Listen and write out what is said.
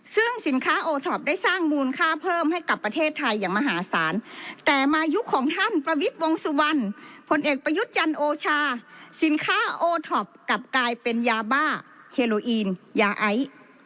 ซึ่งสินค้าโอท็อปได้สร้างมูลค่าเพิ่มให้กับประเทศไทยอย่างมหาศาลแต่มายุคของท่านประวิทย์วงสุวรรณผลเอกประยุทธ์จันทร์โอชาสินค้าโอท็อปกลับกลายเป็นยาบ้าเฮโลอีนยาไอ